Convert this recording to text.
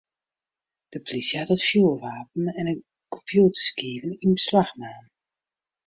De plysje hat in fjoerwapen en kompjûterskiven yn beslach naam.